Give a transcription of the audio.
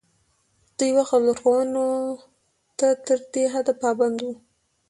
دوی وخت او لارښوونو ته تر دې حده پابند وو.